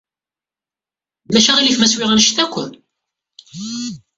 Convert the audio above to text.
Ulac aɣilif ma swiɣ anect-a akk?